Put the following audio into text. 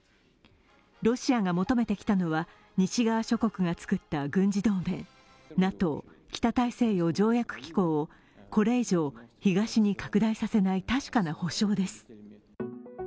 ロシアが求めてきたのは西側諸国が作った軍事同盟、ＮＡＴＯ＝北大西洋条約機構をこれ以上東に拡大させない確かな保証です。